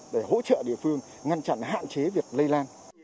để hỗ trợ địa phương ngăn chặn hạn chế việc lây lan